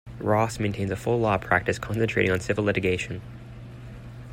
Ross maintains a full law practice, concentrating on civil litigation.